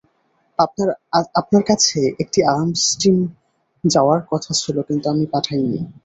আপনার কাছে একটি আর্মস টিম যাওয়ার কথা ছিল, কিন্তু আমি পাঠাইনি।